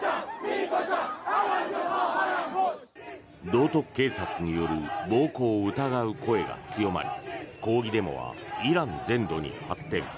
道徳警察による暴行を疑う声が強まり抗議デモはイラン全土に発展。